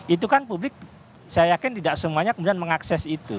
itu kan publik saya yakin tidak semuanya kemudian mengakses itu